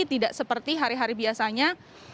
tidak seperti hari hari biasanya